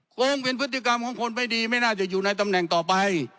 คงเป็นพฤติกรรมของคนไม่ดีไม่น่าจะอยู่ในตำแหน่งต่อไป